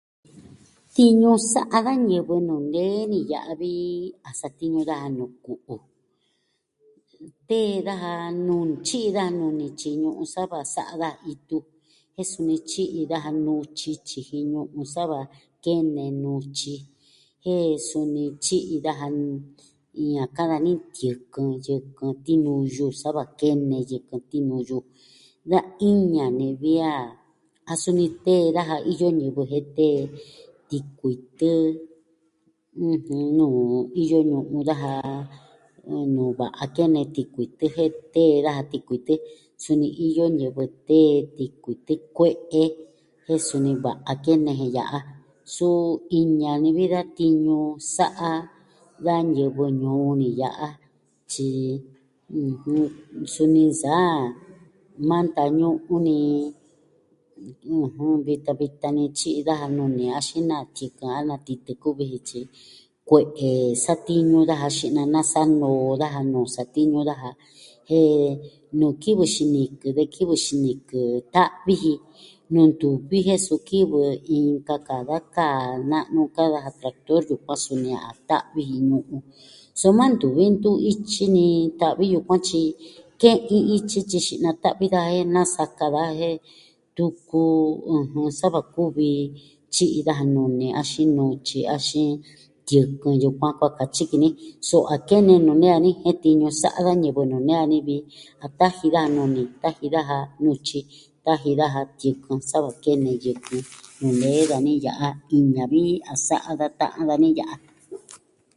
Tiñu sa'a da ñivɨ nuu nee ni ya'a, vi a satiñu daja nuu ku'u tee daja tyi'i daja nuni tyiji ñu'un sa va sa'a daja itu, jen suni tyi'i daja nutyi, tyiji ñu'un, sa va kene nutyi, jen suni tyi'i daja iin a ka'an dani tiɨkɨn yɨkɨn tiniyu sa va kene yɨkɨn tinuyu. Da iña ni vi a, a suni tee daja iyo ñivɨ jen tee, tikuitɨ nuu iyo ñu'un daja, nuu va'a kene tikuitɨ jen, tee daja tikuitɨ, suni iyo ñivɨ tee tikuitɨ kue'e. jen suni va'a kene je ya'a. Suu iña ni vi da tiñu sa'a da ñivɨ ñuu ni ya'a. tyi, suni nsaa ma vitan ñu'un ni, vitan vitan ni tyi'i daja nuni axin na tiɨkɨn, a na titɨ kuvi ji, tyi kue'e satiñu daja xi'na nasa'a noo daja nuu satiñu daja. Jen nuu kivɨ xinikɨ de kivɨ xinikɨ ta'vi ji nuu ntuvi jen su kivɨ inka ka da kaa na'nu ka'an daja traktor yukuan suni a ta'vi ji ñu'un. soma ntuvi ntu'un ityi ni, ta'vi yukuan tyi, ke'in ityi tyi xi'na ta'vi daja je nasaka daja jen, tuku sa va tyi'i daja nuni axin nutyi, axin tiɨkɨn yukuan kua katyi ki ni. So a kene nuu nee dani jen tiñu sa'a da ñivɨ vi a taji daja nuni, taji daja nutyi, taji daja tiɨkɨn sa va kene yɨkɨn nuu nee dani ya'a. Iña vi a sa'a da ta'an dani ya'a.